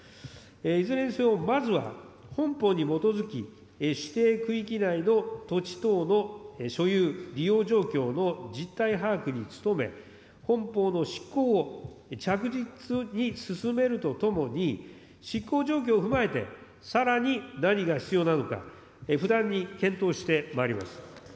いずれにせよまずは、本法に基づき、指定区域内の土地等の所有・利用状況の実態把握に努め、本法の執行を着実に進めるとともに、執行状況を踏まえて、さらに何が必要なのか、不断に検討してまいります。